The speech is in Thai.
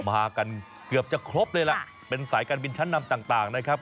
มากันเกือบจะครบเลยล่ะเป็นสายการบินชั้นนำต่างนะครับ